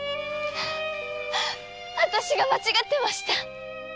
あたしが間違ってました。